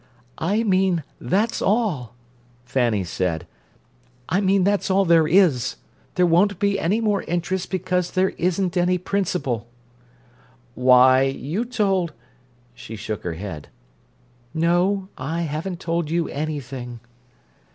"I mean that's all," Fanny said. "I mean that's all there is. There won't be any more interest because there isn't any principal." "Why, you told—" She shook her head. "No, I haven't told you anything."